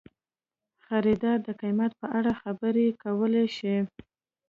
خریدار د قیمت په اړه خبرې کولی شي.